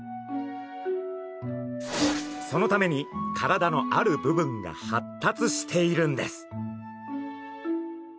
そのために体のある部分が発達しているんです。